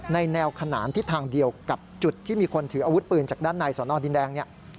ในแนวขนานทิศทางเดียวกับจุดที่มีคนถืออาวุธปืนจากด้านในสอนอดินแดงเนี่ย